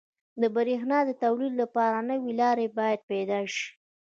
• د برېښنا د تولید لپاره نوي لارې باید پیدا شي.